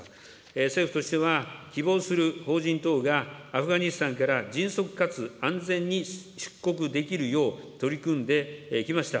政府としては、希望する邦人等がアフガニスタンから迅速かつ安全に出国できるよう取り組んできました。